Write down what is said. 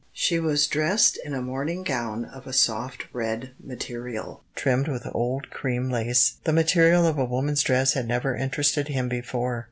"She was dressed in a morning gown of a soft red material, trimmed with old cream lace. The material of a woman's dress had never interested him before.